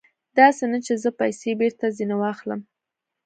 داسې نه چې زه پیسې بېرته ځنې واخلم.